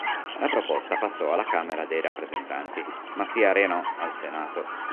La proposta passò alla Camera dei Rappresentanti, ma si arenò al Senato.